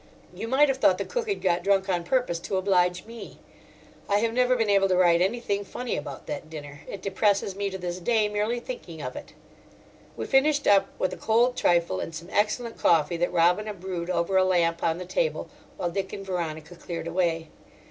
You might have thought the cook had got drunk on purpose to oblige me. I have never been able to write anything funny about that dinner; it depresses me to this day, merely thinking of it. We finished up with a cold trifle and some excellent coffee that Robina brewed over a lamp on the table while Dick and Veronica cleared away.